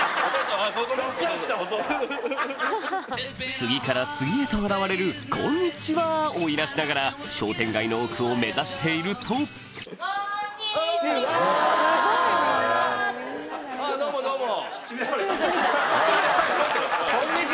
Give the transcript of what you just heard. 次から次へと現れる「こんにちは」をいなしながら商店街の奥を目指しているとどうもどうも。